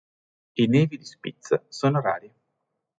I nevi di Spitz sono rari.